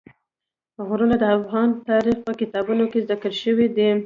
غرونه د افغان تاریخ په کتابونو کې ذکر شوی دي.